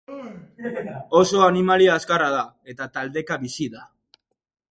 Oso animalia azkarra da, eta taldeka bizi da.